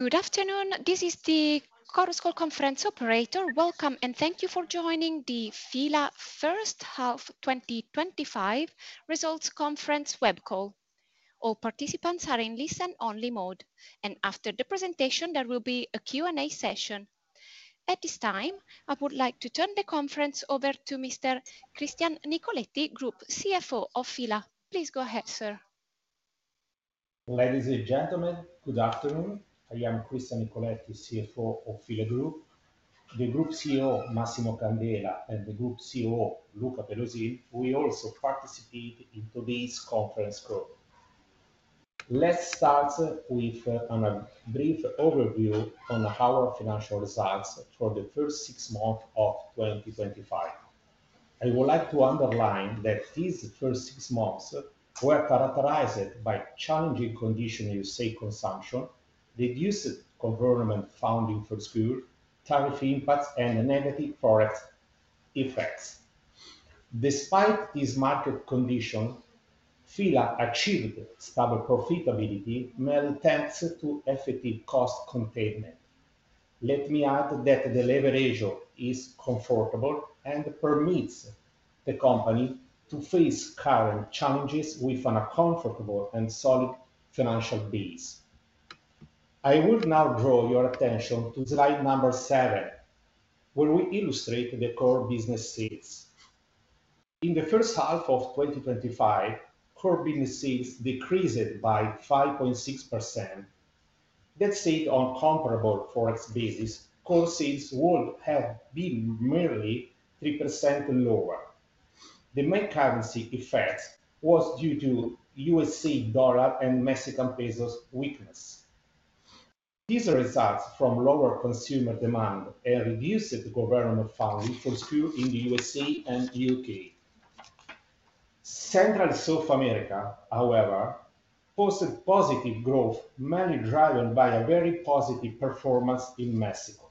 Good afternoon. This is the Chorus Call conference operator. Welcome and thank you for joining the FILA First Half 2025 Results Conference web call. All participants are in listen-only mode, and after the presentation, there will be a Q&A session. At this time, I would like to turn the conference over to Mr. Cristian Nicoletti, Group CFO of FILA. Please go ahead, sir. Ladies and gentlemen, good afternoon. I am Cristian Nicoletti, CFO of FILA Group. The Group CEO, Massimo Candela, and the Group COO, Luca Pelosin, will also participate in today's conference call. Let's start with a brief overview on our financial results for the first six months of 2025. I would like to underline that these first six months were characterized by challenging conditions in U.S. aid consumption, reduced government-funded subsidies, tariff impacts, and negative forex effects. Despite these market conditions, FILA achieved stable profitability when it comes to effective cost containment. Let me add that the leverage is comfortable and permits the company to face current challenges with a comfortable and solid financial base. I would now draw your attention to slide number seven, where we illustrate the core business sales. In the first half of 2025, core business sales decreased by 5.6%. That said, on comparable forex basis, core sales would have been merely 3% lower. The main currency effect was due to U.S. dollar and Mexican peso weakness. These result from lower consumer demand and reduced government-funded subsidies in the United States and the United Kingdom. Central and South America, however, posted positive growth, mainly driven by a very positive performance in Mexico.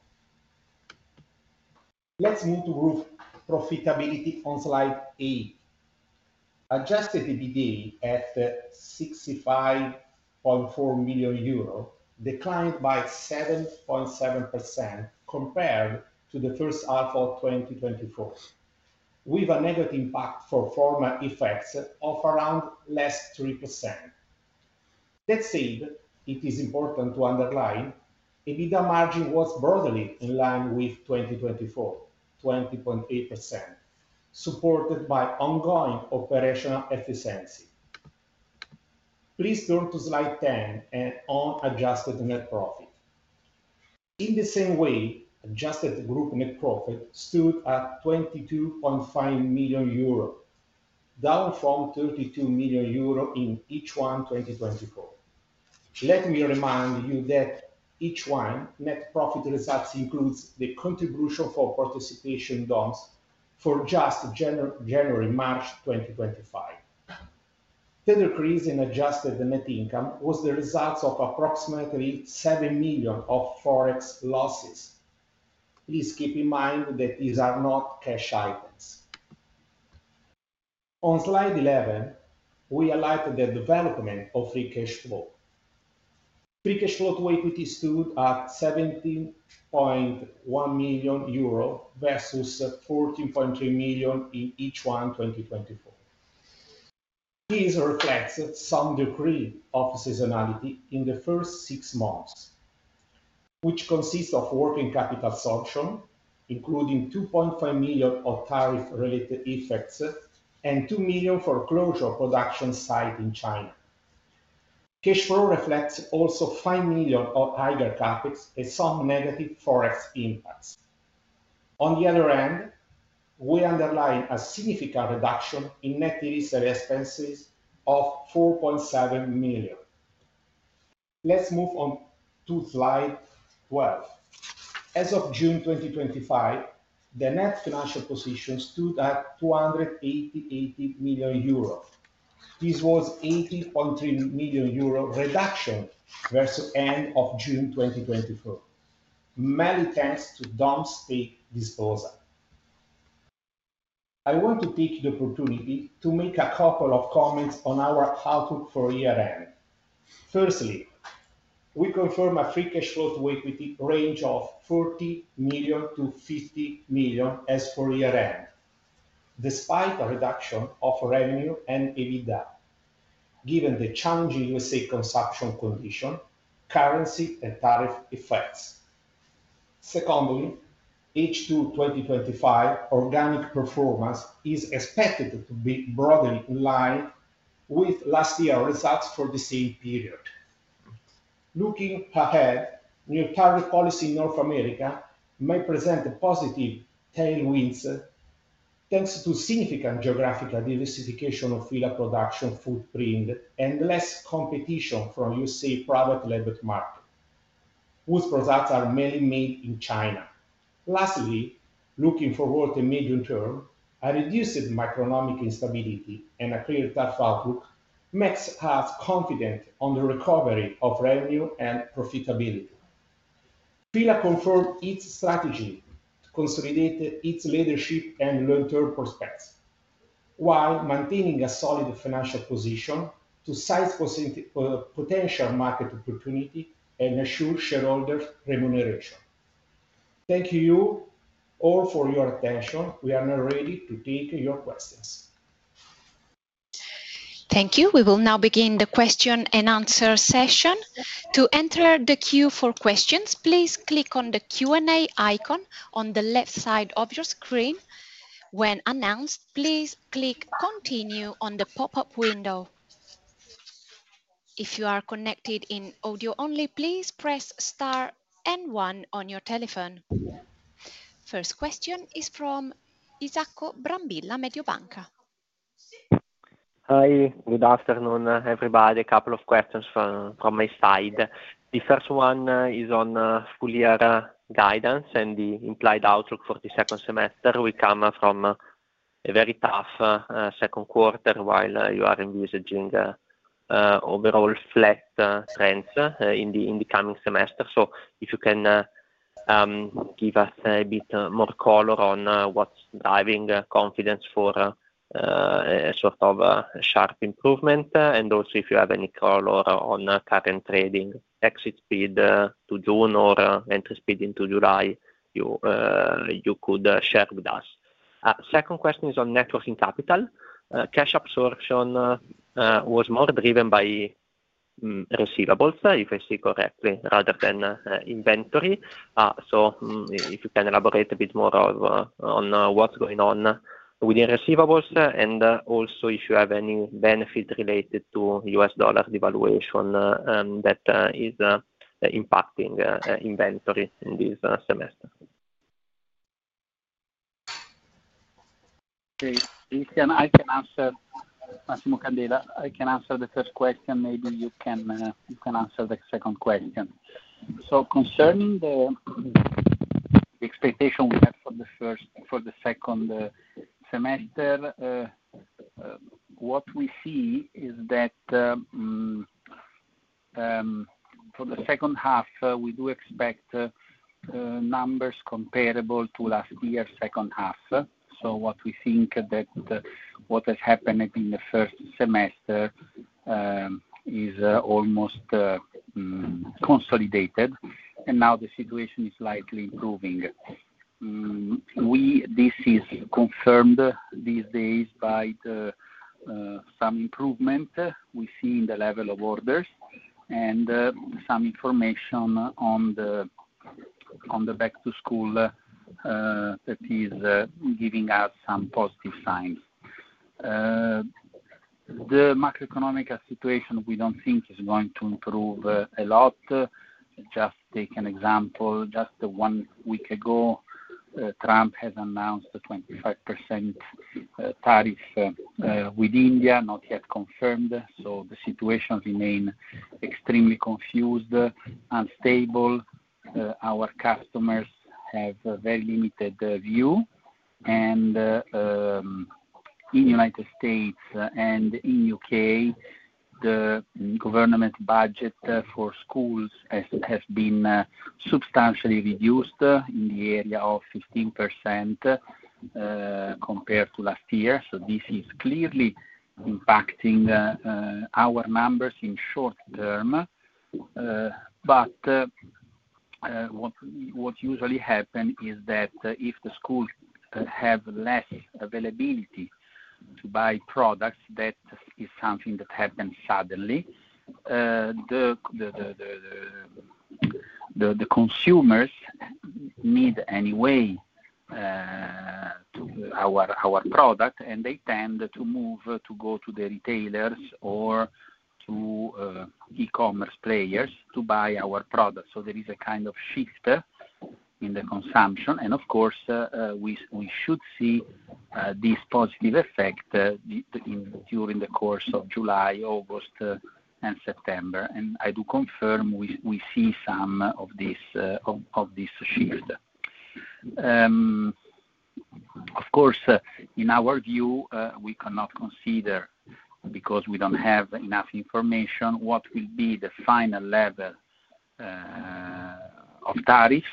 Let's move to group profitability on slide eight. Adjusted EBITDA at 65.4 million euro declined by 7.7% compared to the first half of 2024, with a negative impact for forex effects of around less than 3%. That said, it is important to underline EBITDA margin was broadly in line with 2024, 20.8%, supported by ongoing operational efficiency. Please turn to slide 10 and on adjusted net profit. In the same way, adjusted group net profit stood at 22.5 million euro, down from 32 million euro in H1 2024. Let me remind you that H1's net profit results include the contribution for participation in bonds for just January and March 2025. Further decrease in adjusted net income was the result of approximately 7 million of forex losses. Please keep in mind that these are not cash items. On slide 11, we highlight the development of free cash flow. Free cash flow to equity stood at 17.1 million euro versus 14.3 million in H1 2024. These reflect some decrease of seasonality in the first six months, which consists of working capital subsidy, including 2.5 million of tariff-related effects and 2 million for closure of production sites in China. Cash flow reflects also 5 million of aggregate profits and some negative forex impacts. On the other hand, we underline a significant reduction in net delivery expenses of 4.7 million. Let's move on to slide 12. As of June 2025, the net financial position stood at 280.8 million euro. This was a 80.3 million euro reduction versus the end of June 2024, mainly thanks to bond disposals. I want to take the opportunity to make a couple of comments on our outlook for year-end. Firstly, we confirm a free cash flow to equity range of 40 million-50 million as per year-end, despite a reduction of revenue and EBITDA, given the challenging U.S. consumption conditions, currency, and tariff effects. Secondly, H2 2025 organic performance is expected to be broadly in line with last year's results for the same period. Looking ahead, new tariff policy in North America may present positive tailwinds thanks to significant geographical diversification of FILA production footprint and less competition from the U.S. private labor market, whose products are mainly made in China. Lastly, looking forward to the medium term, a reduced macroeconomic instability and a clear tax outlook make us confident on the recovery of revenue and profitability. FILA confirmed its strategy to consolidate its leadership and long-term prospects while maintaining a solid financial position to size potential market opportunities and ensure shareholders' remuneration. Thank you all for your attention. We are now ready to take your questions. Thank you. We will now begin the question and answer session. To enter the queue for questions, please click on the Q&A icon on the left side of your screen. When announced, please click "Continue" on the pop-up window. If you are connected in audio only, please press "Star" and "1" on your telephone. First question is from Isacco Brambilla, Mediobanca. Hi, good afternoon, everybody. A couple of questions from my side. The first one is on school year guidance and the implied outlook for the second semester. We come from a very tough second quarter while you are envisaging overall flat trends in the coming semester. If you can give us a bit more color on what's driving confidence for a sort of sharp improvement, and also if you have any color on current trading exit speed to June or entry speed into July, you could share with us. Second question is on networking capital. Cash absorption was more driven by receivables, if I see correctly, rather than inventory. If you can elaborate a bit more on what's going on with your receivables and also if you have any benefits related to U.S. dollar devaluation that is impacting inventory in this semester. Okay, I can answer. Massimo Candela, I can answer the first question. Maybe you can answer the second question. Concerning the expectation we have for the second semester, what we see is that for the second half, we do expect numbers comparable to last year's second half. What we think is that what has happened in the first semester is almost consolidated, and now the situation is slightly improving. This is confirmed these days by some improvement we see in the level of orders and some information on the back-to-school that is giving us some positive signs. The macroeconomic situation, we don't think is going to improve a lot. Just take an example. Just one week ago, Trump has announced a 25% tariff with India, not yet confirmed. The situation remains extremely confused, unstable. Our customers have a very limited view. In the United States and in the U.K, the government's budget for schools has been substantially reduced in the area of 15% compared to last year. This is clearly impacting our numbers in the short term. What usually happens is that if the schools have less availability to buy products, that is something that happens suddenly. The consumers need anyway our product, and they tend to move to go to the retailers or to e-commerce players to buy our products. There is a kind of shift in the consumption. Of course, we should see this positive effect during the course of July, August, and September. I do confirm we see some of this shift. In our view, we cannot consider because we don't have enough information what will be the final level of tariffs.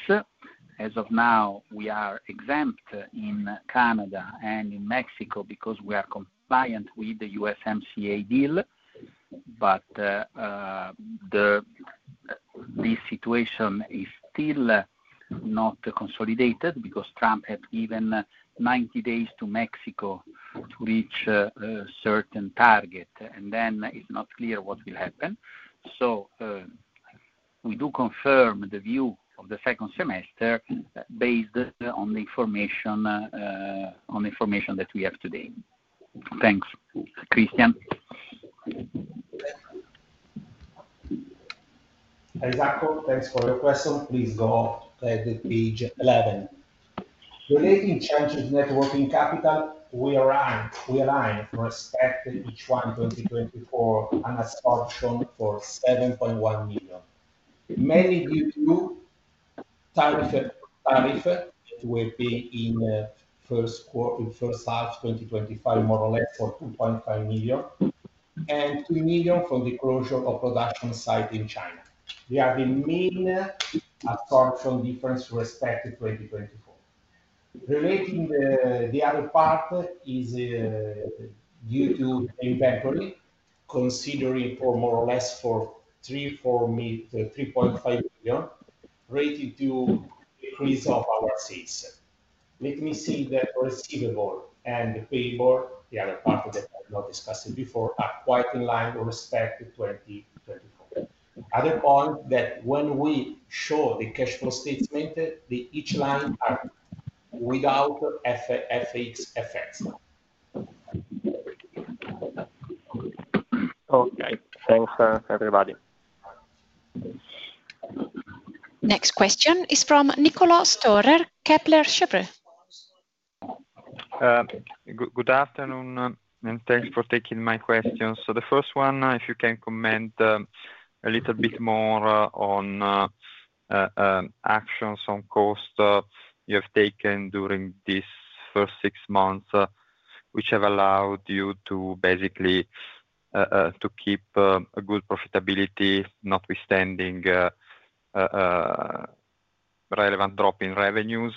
As of now, we are exempt in Canada and in Mexico because we are compliant with the USMCA deal. This situation is still not consolidated because Trump has given 90 days to Mexico to reach a certain target, and then it's not clear what will happen. We do confirm the view of the second semester based on the information that we have today. Thanks, Cristian. Isacco, thanks for your question. Please go to page 11. Relating charges to networking capital, we aligned for respect in each one in 2024 on absorption for EUR 7.1 million. Many of you tariffs were paid in the first half of 2025, more or less for 2.5 million, and 3 million from the closure of production sites in China. We have a minimal absorption difference to respect in 2024. Relating the other part is due to inventory, considering for more or less 3.5 million related to the freeze of our sales. Let me say that receivable and payable, the other part that I've not discussed before, are quite in line to respect in 2024. Other than that, when we show the cash flow statement, each line is without FX effects. Okay, thanks, everybody. Next question is from Nicolas Stoehr, Kepler Cheuvreux. Good afternoon, and thanks for taking my questions. The first one, if you can comment a little bit more on actions on cost you have taken during these first six months, which have allowed you to basically keep a good profitability, notwithstanding a relevant drop in revenues.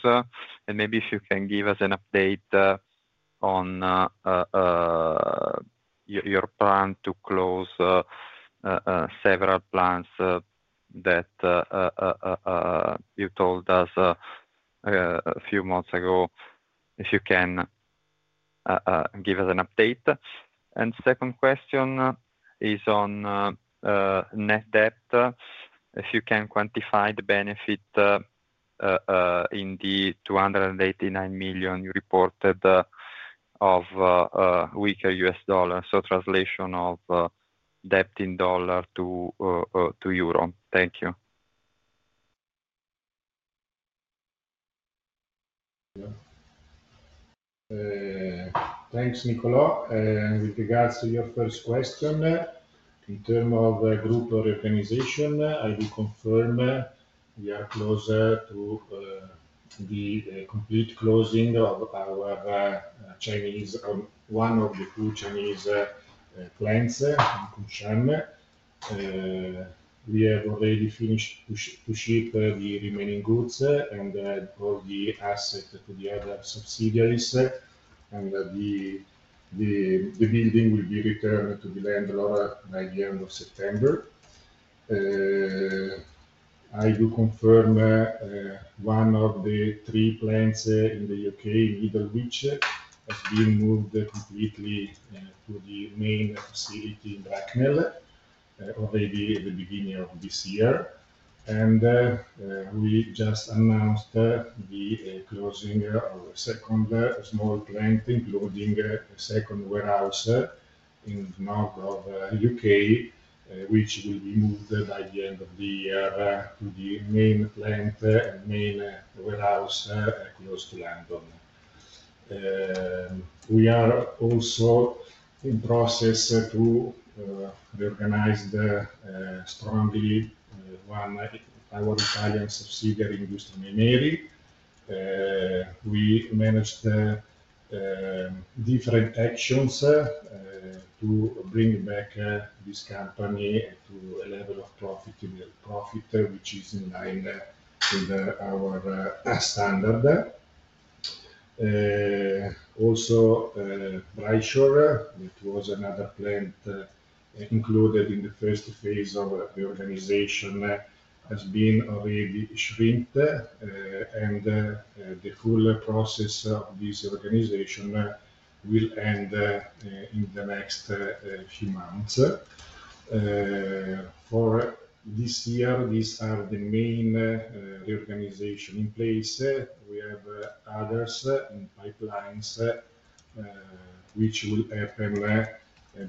Maybe if you can give us an update on your plan to close several plants that you told us a few months ago, if you can give us an update. The second question is on net debt. If you can quantify the benefit in the 289 million you reported of weaker U.S. dollars, so translation of debt in dollar to euro. Thank you. Thank you. Thanks, Nicolas. With regards to your first question, in terms of a group organization, I will confirm we are closer to the complete closing of our Chinese, or one of the two Chinese plants in Pingshan. We have already finished pushing the remaining goods and all the assets to the other subsidiaries, and the building will be returned to the landlord by the end of September. I do confirm one of the three plants in the U.K., in Middlewich, has been moved completely to the main facility in Bracknell already at the beginning of this year. We just announced the closing of a second small plant, including a second warehouse in the north of the U.K., which will be moved by the end of the year to the main plant and main warehouse close to London. We are also in the process to reorganize strongly one of our Italian subsidiaries, Industria Maimeri. We managed different actions to bring back this company to a level of profit which is in line with our standard. Also, BrightShore, it was another plant included in the first phase of the reorganization, has been already shrunk, and the full process of this reorganization will end in the next few months. For this year, these are the main reorganizations in place. We have others in pipelines which will happen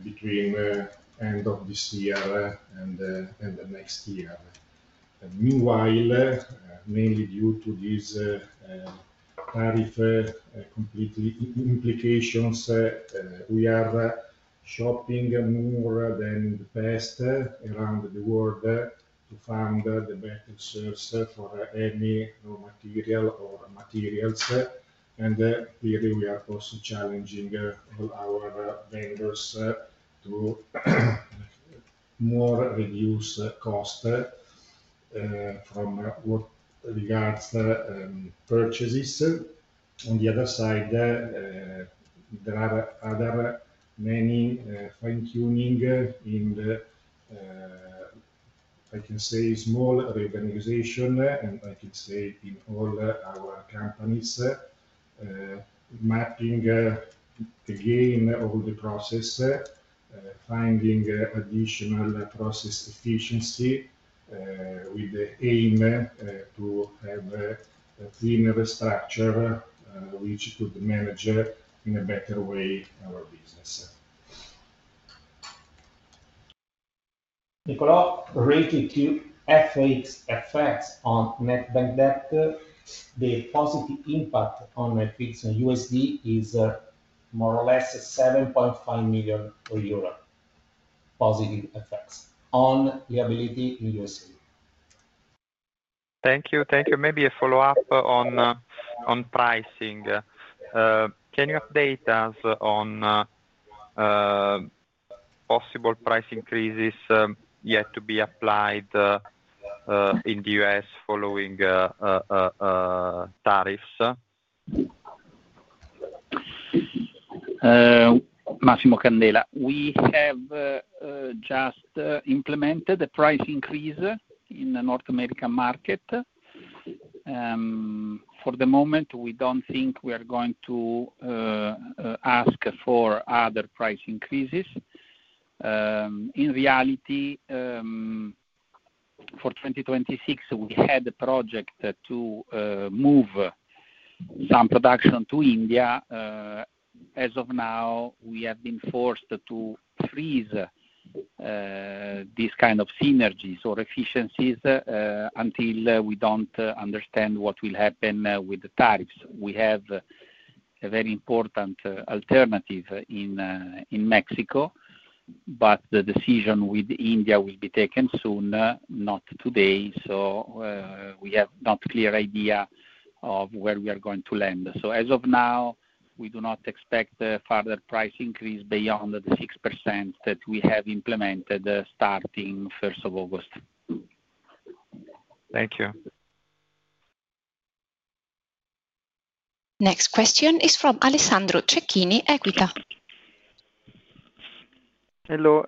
between the end of this year and the next year. Meanwhile, mainly due to these tariff implications, we are shopping more than the best around the world to find the better source for any raw material or materials. Clearly, we are also challenging all our vendors to more reduce costs from what regards purchases. On the other side, there are other many fine-tuning in the, I can say, small reorganization, and I could say in all our companies, mapping again all the process, finding additional process efficiency with the aim to have a cleaner structure which could manage in a better way our business. Nicolas, related to FX effects on net bank debt, the positive impact on net financial position in USD is more or less 7.5 million euro per year, positive effects on liability in USD. Thank you. Thank you. Maybe a follow-up on pricing. Can you update us on possible price increases yet to be applied in the U.S. following tariffs? Massimo Candela, we have just implemented a price increase in the North American market. For the moment, we don't think we are going to ask for other price increases. In reality, for 2026, we had a project to move some production to India. As of now, we have been forced to freeze these kinds of synergies or efficiencies until we don't understand what will happen with the tariffs. We have a very important alternative in Mexico, but the decision with India will be taken soon, not today. We have not a clear idea of where we are going to land. As of now, we do not expect a further price increase beyond the 6% that we have implemented starting August 1. Thank you. Next question is from Alessandro Cecchini, Equita. Hello,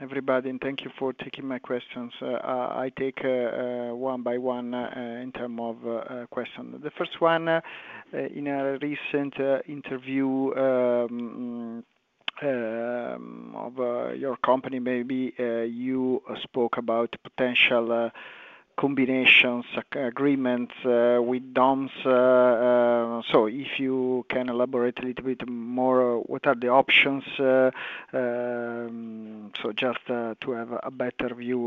everybody, and thank you for taking my questions. I take one by one in terms of questions. The first one, in a recent interview of your company, maybe you spoke about potential combinations, agreements with DOMS. If you can elaborate a little bit more, what are the options? Just to have a better view,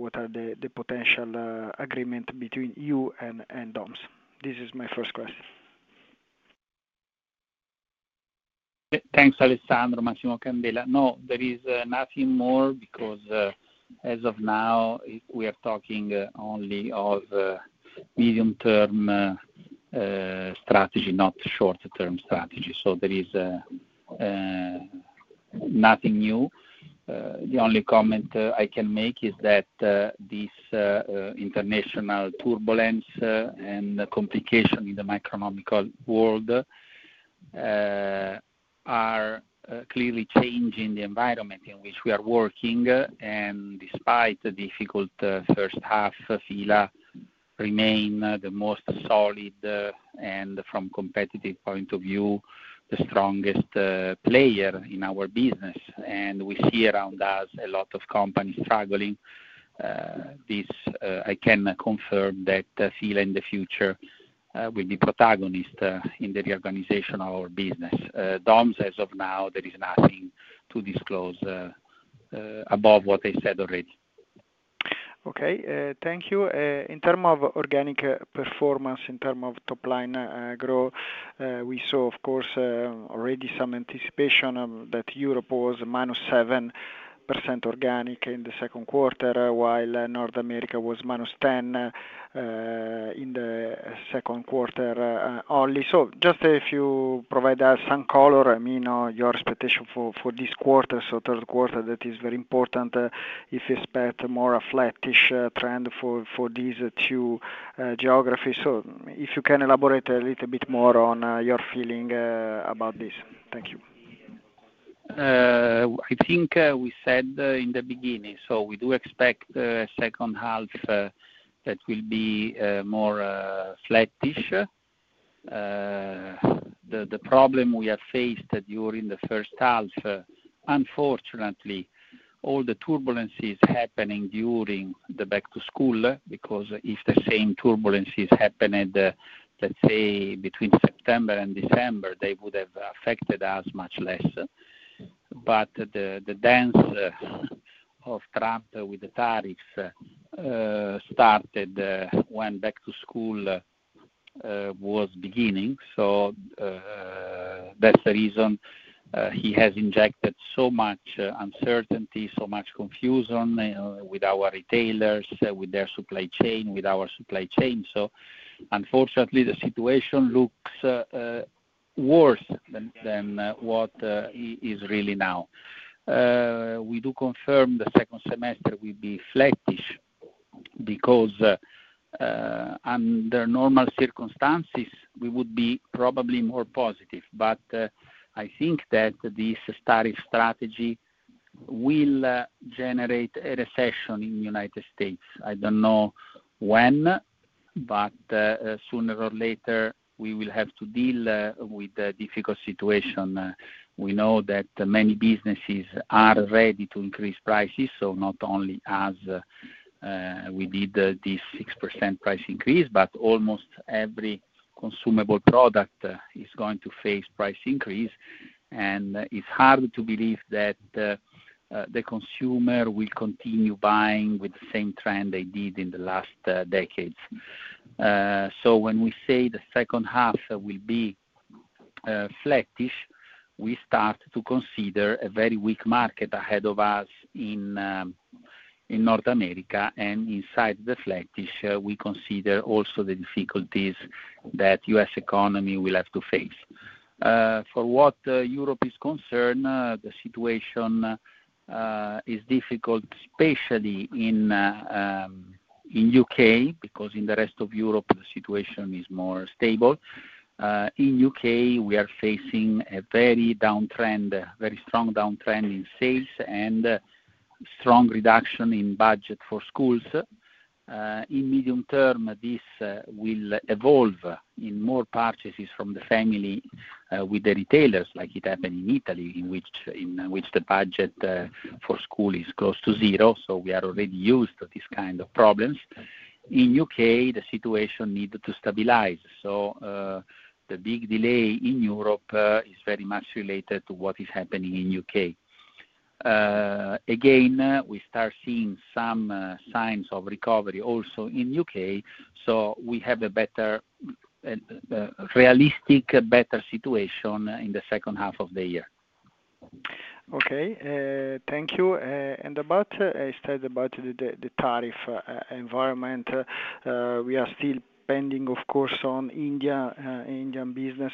what are the potential agreements between you and DOMS? This is my first question. Thanks, Alessandro. Massimo Candela. No, there is nothing more because as of now, we are talking only of medium-term strategy, not short-term strategy. There is nothing new. The only comment I can make is that this international turbulence and complication in the microeconomical world are clearly changing the environment in which we are working. Despite the difficult first half, FILA remains the most solid and, from a competitive point of view, the strongest player in our business. We see around us a lot of companies struggling. I can confirm that FILA, in the future, will be a protagonist in the reorganization of our business. DOMS, as of now, there is nothing to disclose above what I said already. Okay. Thank you. In terms of organic performance, in terms of top-line growth, we saw, of course, already some anticipation that Europe was -7% organic in the second quarter, while North America was -10% in the second quarter only. If you provide us some color, I mean, your expectation for this quarter, the third quarter, that is very important. If you expect more of a flattish trend for these two geographies, if you can elaborate a little bit more on your feeling about this. Thank you. I think we said in the beginning, we do expect a second half that will be more flattish. The problem we have faced during the first half, unfortunately, all the turbulences happening during the back-to-school, because if the same turbulences happened, let's say, between September and December, they would have affected us much less. The dance of Trump with the tariffs started when back-to-school was beginning. That's the reason he has injected so much uncertainty, so much confusion with our retailers, with their supply chain, with our supply chain. Unfortunately, the situation looks worse than what it is really now. We do confirm the second semester will be flattish because, under normal circumstances, we would be probably more positive. I think that this tariff strategy will generate a recession in the United States. I don't know when, but sooner or later, we will have to deal with a difficult situation. We know that many businesses are ready to increase prices. Not only us, we did this 6% price increase, but almost every consumable product is going to face a price increase. It's hard to believe that the consumer will continue buying with the same trend they did in the last decades. When we say the second half will be flattish, we start to consider a very weak market ahead of us in North America. Inside the flattish, we consider also the difficulties that the U.S. economy will have to face. For what Europe is concerned, the situation is difficult, especially in the U.K., because in the rest of Europe, the situation is more stable. In the UK., we are facing a very downtrend, a very strong downtrend in sales and a strong reduction in budget for schools. In the medium term, this will evolve in more purchases from the family with the retailers, like it happened in Italy, in which the budget for school is close to zero. We are already used to this kind of problem. In the U.K., the situation needs to stabilize. The big delay in Europe is very much related to what is happening in the U.K. Again, we start seeing some signs of recovery also in the U.K. We have a better realistic, better situation in the second half of the year. Okay. Thank you. About the tariff environment, we are still pending, of course, on India and Indian business.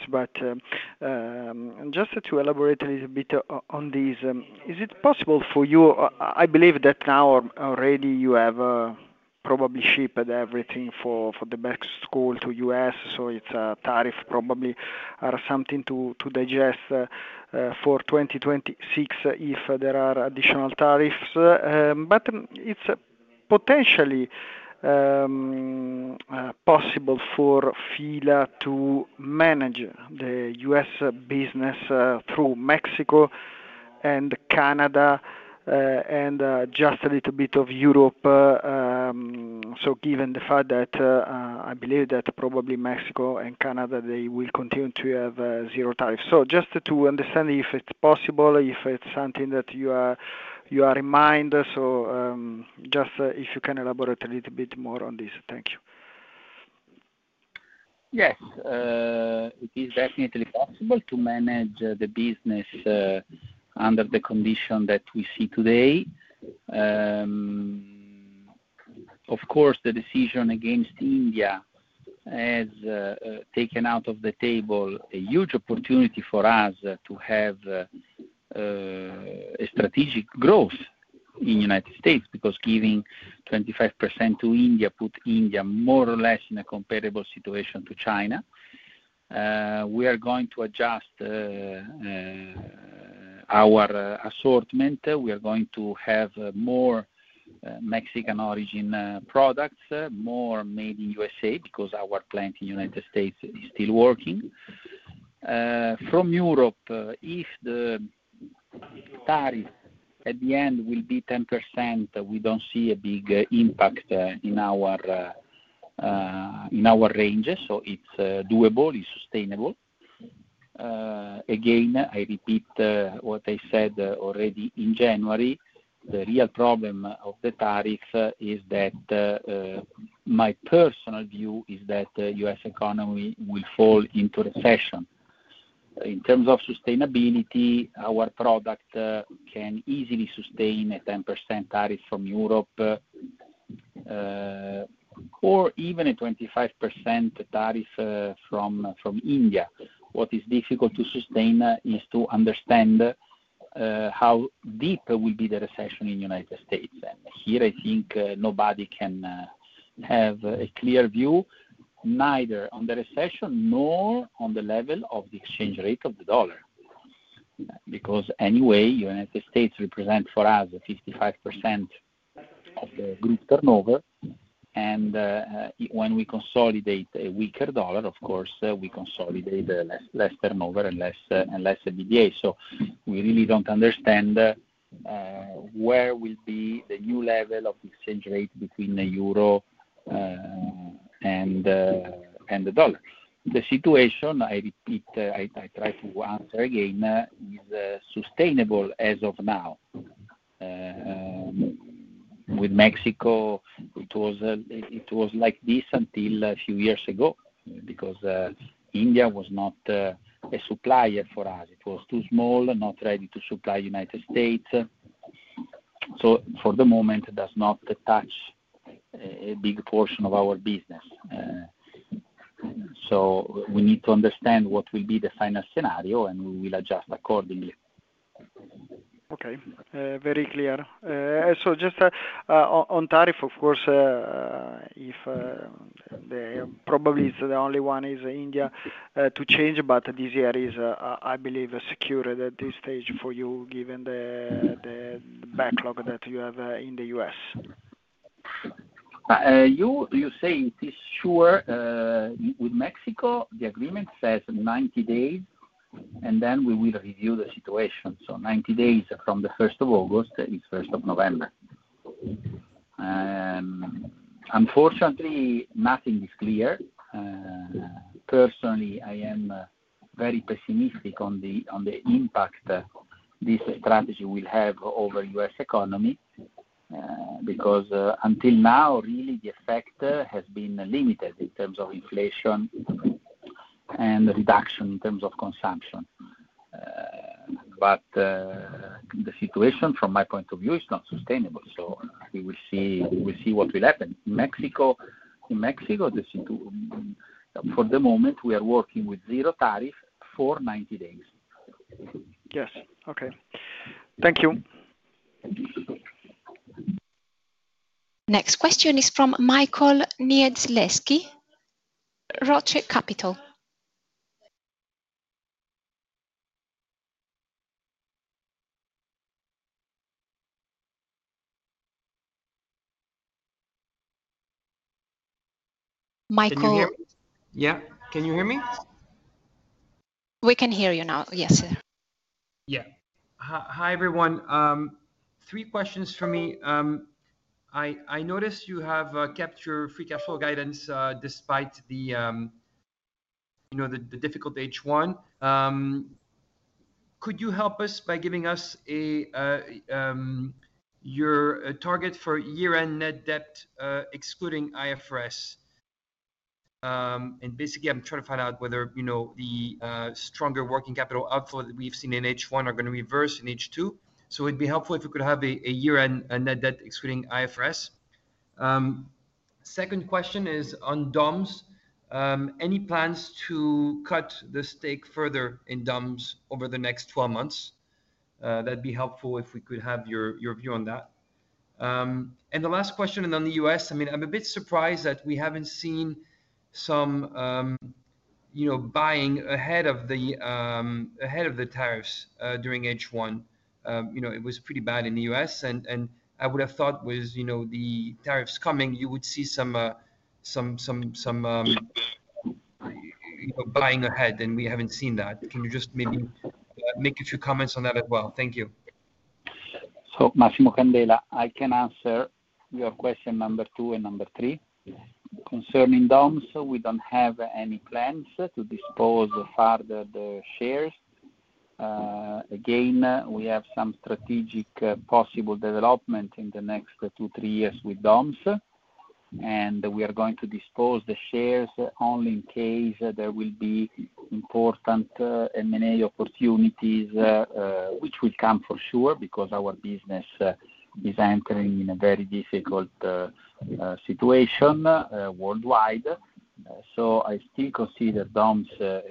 Just to elaborate a little bit on this, is it possible for you? I believe that now already you have probably shipped everything for the back-to-school to the U.S. It's a tariff probably or something to digest for 2026 if there are additional tariffs. It's potentially possible for FILA to manage the U.S. business through Mexico and Canada and just a little bit of Europe. Given the fact that I believe that probably Mexico and Canada, they will continue to have zero tariffs. I just want to understand if it's possible, if it's something that you have in mind. If you can elaborate a little bit more on this. Thank you. Yes. It is definitely possible to manage the business under the condition that we see today. Of course, the decision against India has taken out of the table a huge opportunity for us to have a strategic growth in the United States because giving 25% to India puts India more or less in a comparable situation to China. We are going to adjust our assortment. We are going to have more Mexican-origin products, more made in the USA because our plant in the United States is still working. From Europe, if the tariff at the end will be 10%, we don't see a big impact in our ranges. It's doable. It's sustainable. Again, I repeat what I said already in January. The real problem of the tariff is that my personal view is that the U.S. economy will fall into recession. In terms of sustainability, our product can easily sustain a 10% tariff from Europe or even a 25% tariff from India. What is difficult to sustain is to understand how deep will be the recession in the United States. I think nobody can have a clear view, neither on the recession nor on the level of the exchange rate of the dollar. Because anyway, the United States represents for us a 55% of the group turnover. When we consolidate a weaker dollar, of course, we consolidate less turnover and less EBITDA. We really don't understand where will be the new level of exchange rate between the euro and the dollar. The situation, I repeat, I try to answer again, is sustainable as of now. With Mexico, it was like this until a few years ago because India was not a supplier for us. It was too small, not ready to supply the United States. For the moment, it does not touch a big portion of our business. We need to understand what will be the final scenario, and we will adjust accordingly. Okay. Very clear. Just on tariff, of course, probably the only one is India to change, but this area is, I believe, secured at this stage for you, given the backlog that you have in the U.S. You say it is sure. With Mexico, the agreement says 90 days, and then we will review the situation. 90 days from the 1st of August is the 1st of November. Unfortunately, nothing is clear. Personally, I am very pessimistic on the impact this strategy will have over the U.S. economy because until now, really, the effect has been limited in terms of inflation and reduction in terms of consumption. The situation, from my point of view, is not sustainable. We will see what will happen. In Mexico, for the moment, we are working with zero tariff for 90 days. Yes, okay. Thank you. Next question is from Michael Niedzlewski, ROCE Capital. Michael. Can you hear me? Yeah, can you hear me? We can hear you now. Yes. Yeah. Hi, everyone. Three questions for me. I noticed you have kept your free cash flow guidance despite the difficult H1. Could you help us by giving us your target for year-end net debt, excluding IFRS? Basically, I'm trying to find out whether the stronger working capital outflow that we've seen in H1 is going to reverse in H2. It'd be helpful if you could have a year-end net debt, excluding IFRS. Second question is on DOMS. Any plans to cut the stake further in DOMS over the next 12 months? It'd be helpful if we could have your view on that. The last question is on the U.S. I'm a bit surprised that we haven't seen some buying ahead of the tariffs during H1. It was pretty bad in the U.S., and I would have thought with the tariffs coming, you would see some buying ahead, and we haven't seen that. Can you just maybe make a few comments on that as well? Thank you. Massimo Candela, I can answer your question number two and number three. Concerning DOMS, we don't have any plans to dispose further the shares. We have some strategic possible developments in the next two, three years with DOMS, and we are going to dispose the shares only in case there will be important M&A opportunities, which will come for sure because our business is entering in a very difficult situation worldwide. I still consider DOMS a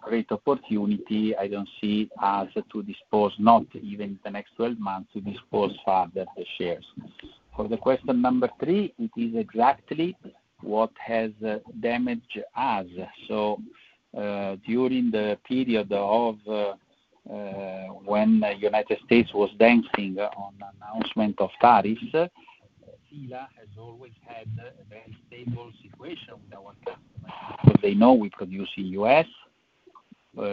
great opportunity. I don't see us dispose, not even in the next 12 months, to dispose further the shares. For the question number three, it is exactly what has damaged us. During the period when the United States was dancing on the announcement of tariffs, FILA has always had a very stable situation with our customers. They know we produce in the U.S.,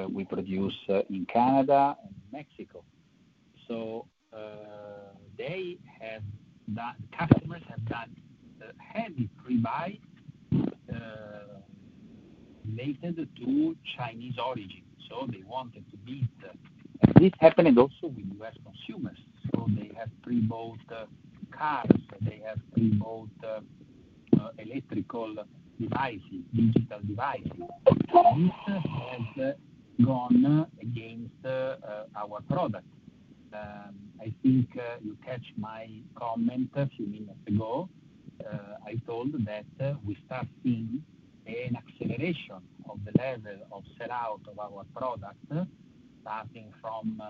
we produce in Canada, in Mexico. Customers have done a heavy pre-buy related to Chinese origin. They wanted to build. This happened also with U.S. consumers. They have pre-built cars, and they have pre-built electrical devices, digital devices. This has gone against our product. I think you catch my comment a few minutes ago. I told that we start seeing an acceleration of the level of sell-out of our product, starting from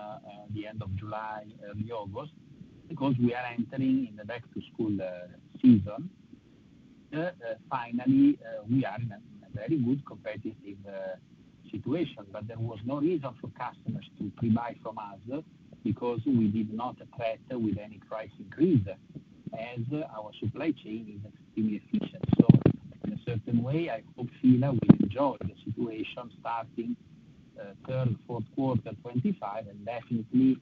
the end of July, early August, because we are entering in the back-to-school season. Finally, we are in a very good competitive situation. There was no reason for customers to pre-buy from us because we did not threaten with any price increase, as our supply chain is extremely efficient. In a certain way, I hope FILA will enjoy the situation starting third, fourth quarter of 2025 and definitely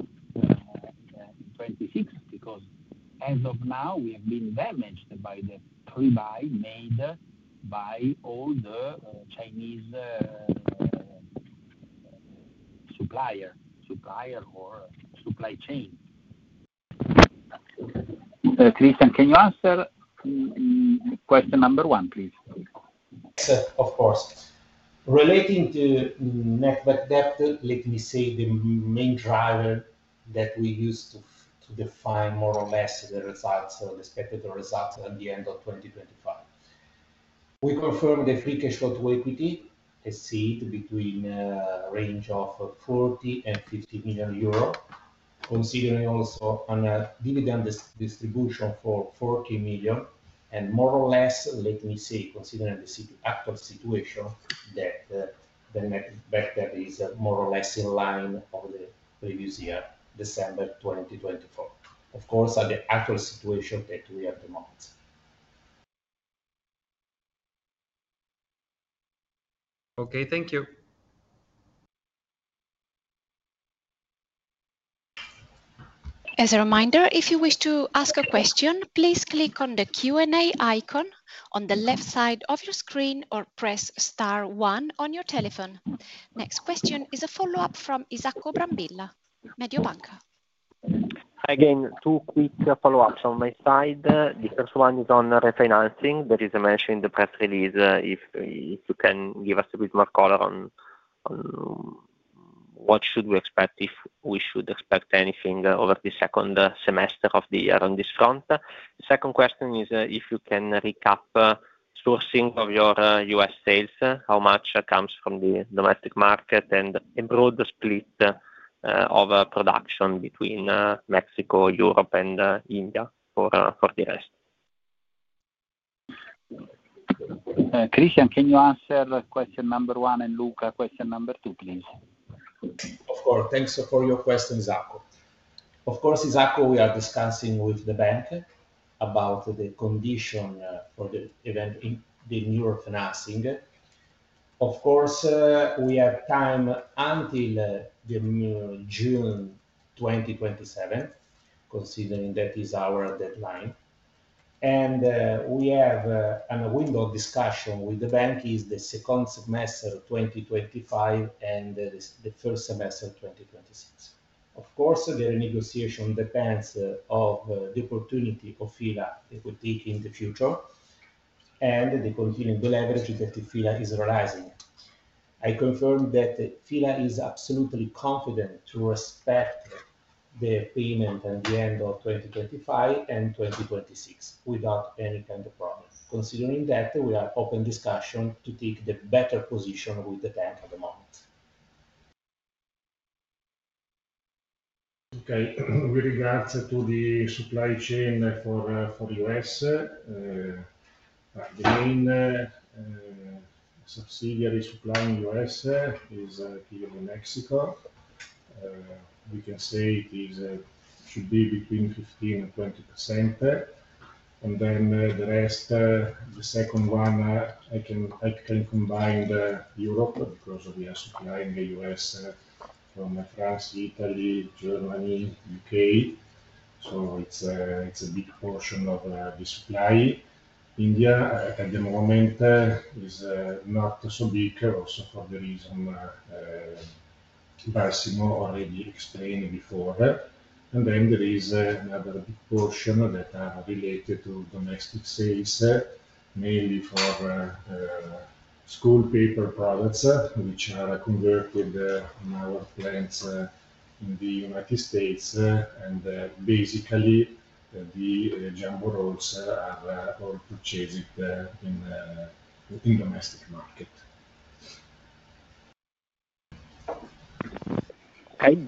in 2026 because, as of now, we have been damaged by the pre-buy made by all the Chinese suppliers or supply chains. Cristian, can you answer question number one, please? Yes, sir, of course. Relating to net debt, let me say the main driver that we use to define more or less the results, so the expected results at the end of 2025. We confirm the free cash flow to equity, a seat between a range of 40 million and 50 million euro, considering also a dividend distribution for 40 million. More or less, let me say, considering the actual situation, that the net debt is more or less in line with the previous year, December 2024. Of course, the actual situation that we are at the moment. Okay, thank you. As a reminder, if you wish to ask a question, please click on the Q&A icon on the left side of your screen or press "Star 1" on your telephone. Next question is a follow-up from Isacco Brambilla, Mediobanca. Again, two quick follow-ups on my side. The first one is on refinancing. There is a mention in the press release. If you can give us a bit more color on what should we expect, if we should expect anything over the second semester of the year on this front. The second question is if you can recap sourcing of your U.S. sales, how much comes from the domestic market, and a broad split of production between Mexico, Europe, and India for the rest. Cristian, can you answer question number one and Luca, question number two, please? Sure. Thanks for your question, Isacco. Of course, Isacco, we are discussing with the bank about the condition of the event in the new financing. We have time until June 2027, considering that is our deadline. We have a window of discussion with the bank in the second semester of 2025 and the first semester of 2026. The renegotiation depends on the opportunity of FILA equity in the future and the continuing delivery because FILA is rising. I confirm that FILA is absolutely confident to respect the payment at the end of 2025 and 2026 without any kind of problem, considering that we are open discussion to take the better position with the bank at the moment. Okay. With regards to the supply chain for the U.S., again, subsidiary supply in the U.S. is here in Mexico. We can say it should be between 15% and 20%. The rest, the second one, I can combine Europe, because we are supplying the U.S. from France, Italy, Germany, and the U.K. It's a big portion of the supply. India, at the moment, is not so big, also for the reason Massimo already explained before. There is another big portion that is related to domestic sales, mainly for school paper products, which are converted in our plants in the United States. Basically, the jumbo rolls are all purchased in the domestic market.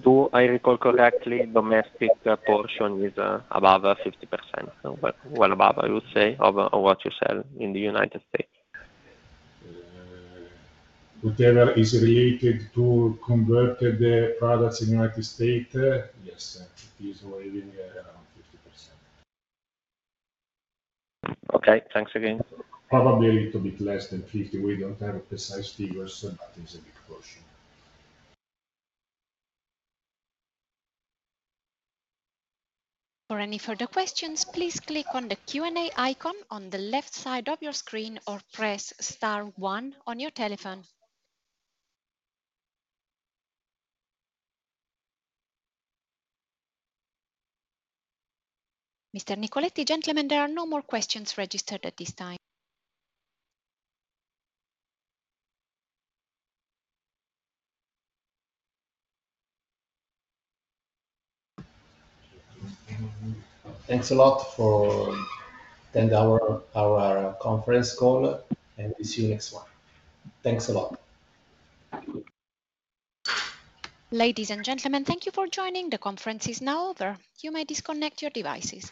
Do I recall correctly, the domestic portion is above 50%, well above, I would say, of what you sell in the United States. Okay. That is related to converting the products in the United States? Yes, 50 is related. Okay, thanks again. Probably a little bit less than 50%. We don't have precise figures, but it's a big portion. For any further questions, please click on the Q&A icon on the left side of your screen or press "Star 1" on your telephone. Mr. Nicoletti, gentlemen, there are no more questions registered at this time. Thanks a lot for attending our conference call, and we'll see you next one. Thanks a lot. Ladies and gentlemen, thank you for joining. The conference is now over. You may disconnect your devices.